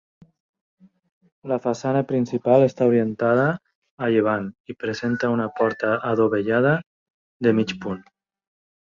La façana principal està orientada a llevant i presenta una porta adovellada de mig punt.